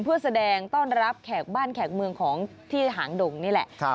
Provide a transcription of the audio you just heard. เพื่อแสดงต้อนรับแขกบ้านแขกเมืองของที่หางดงนี่แหละ